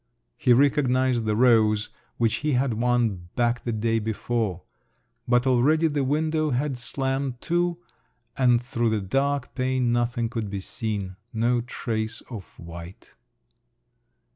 He recognised the rose, which he had won back the day before…. But already the window had slammed to, and through the dark pane nothing could be seen, no trace of white.